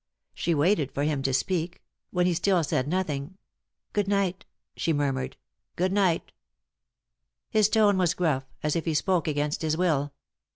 She waited for him to speak; when he still said nothing, " Good night," she murmured. " Good night" His tone was gruff, as if he spoke against his will.